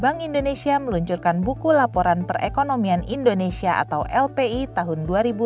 bank indonesia meluncurkan buku laporan perekonomian indonesia atau lpi tahun dua ribu dua puluh